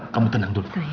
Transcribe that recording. kamu tenang dulu